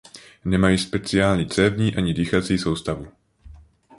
Nemají speciální cévní ani dýchací soustavu.